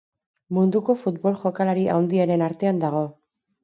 Munduko futbol jokalari handienen artean dago.